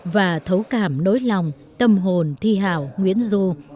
và thấu cảm nối lòng tâm hồn thi hào nguyễn du